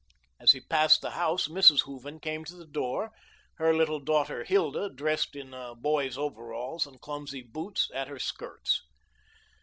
As he passed the house, Mrs. Hooven came to the door, her little daughter Hilda, dressed in a boy's overalls and clumsy boots, at her skirts.